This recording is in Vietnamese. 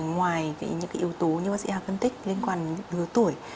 ngoài những cái yếu tố như bác sĩ hà phân tích liên quan đến lứa tuổi